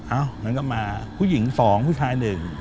อ้าวแล้วก็มาผู้หญิง๒ผู้ชาย๑